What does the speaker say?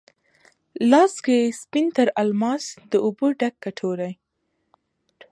لاس کې یې سپین تر الماس، د اوبو ډک کټوری،